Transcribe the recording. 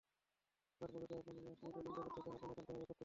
তারপরও যদি আপনি ইয়াশনির তদন্ত করতে চান, আপনি একান্তভাবে করতে পারেন।